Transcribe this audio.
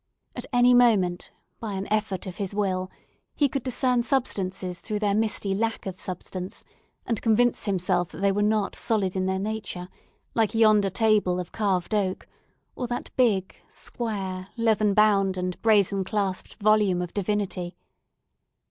At any moment, by an effort of his will, he could discern substances through their misty lack of substance, and convince himself that they were not solid in their nature, like yonder table of carved oak, or that big, square, leather bound and brazen clasped volume of divinity.